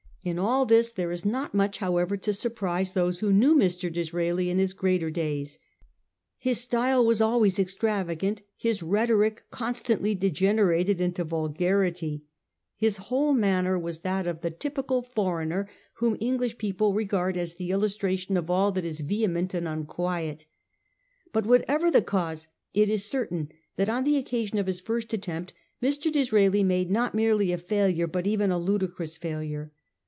In all this there is not much, however, to surprise these who knew Mr. Disraeli in his greater days, rife style was always extravagant; his rhetoric con stantly degenerated into vulgarity ; his whole manner 1837. THE MAIDEN SPEECH. 389 was that of the typical foreigner whom English people regard as the illustration of all that is vehement and unquiet. But whatever the cause, it is certain that on the occasion of his first attempt Mr. Disraeli made not merely a failure, but even a ludicrous failure.